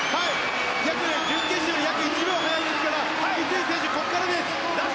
準決勝より約１秒早いですから三井選手、ここからです。